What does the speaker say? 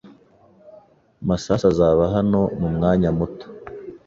Masasu azaba hano mumwanya muto.